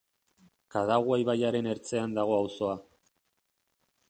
Kadagua ibaiaren ertzean dago auzoa.